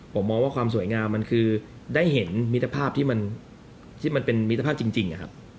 ผมมองว่าความสวยงามมันคือได้เห็นมิตรภาพที่มันเป็นมิตรภาพจริง